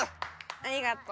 ありがとう。